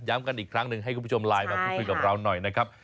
กันอีกครั้งหนึ่งให้คุณผู้ชมไลน์มาพูดคุยกับเราหน่อยนะครับ